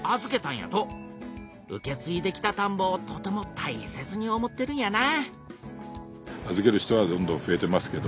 受けついできたたんぼをとてもたいせつに思ってるんやな